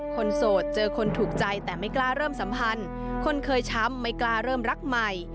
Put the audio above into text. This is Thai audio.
โสดเจอคนถูกใจแต่ไม่กล้าเริ่มสัมพันธ์คนเคยช้ำไม่กล้าเริ่มรักใหม่